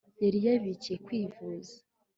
Yari yabikiye kwikuza